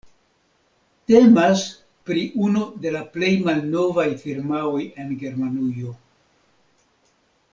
Temas pri unu de la plej malnovaj firmaoj en Germanujo.